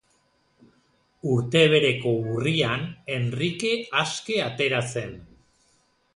Urte bereko urrian Henrike aske atera zen.